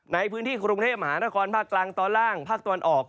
ในพื้นที่กรุงเทพมหานครภาคกลางตอนล่างภาคตะวันออก